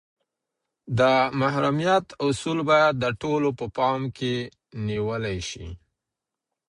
د محرمیت اصول باید د ټولو په پام کي نیول سي.